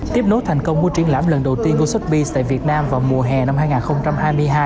tiếp nốt thành công của triển lãm lần đầu tiên của sotheby s tại việt nam vào mùa hè năm hai nghìn hai mươi hai